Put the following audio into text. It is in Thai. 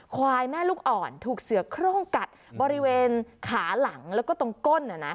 ควายแม่ลูกอ่อนถูกเสือโครงกัดบริเวณขาหลังแล้วก็ตรงก้น